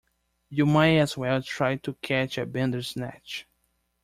You might as well try to catch a Bandersnatch!